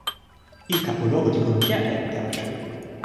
Il capoluogo di contea è Guthrie.